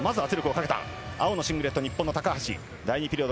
青のシングレットが日本の高橋。